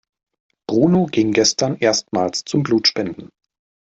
Bruno ging gestern erstmals zum Blutspenden.